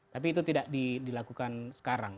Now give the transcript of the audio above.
tapi itu tidak dilakukan sekarang